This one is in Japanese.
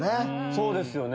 そうですよね。